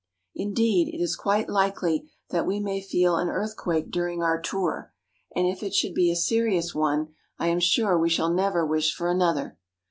Indeed, it is quite likely that we may feel an earth quake during our tour, and if it should be a serious one, I am sure we shall never wish for another.